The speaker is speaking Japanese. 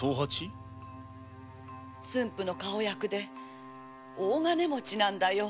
駿府の顔役で大金持ちなんだよ。